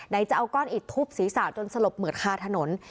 จะเอาก้อนอิดทุบศีรษะจนสลบเหมือดคาถนน